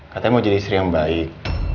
katanya mau jadi istri yang baik